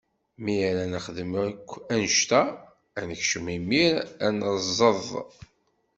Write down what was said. Mi ara nexdem akk anect-a, ad nekcem imir ad nẓeḍ.